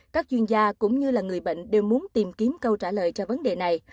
các chuyên gia cũng như là người bệnh đều muốn tìm kiếm câu trả lời cho vấn đề này